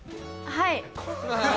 はい。